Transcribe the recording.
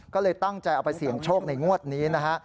ก็เลยตั้งใจเอาไปเสี่ยงโชคในงวดนี้นะฮะ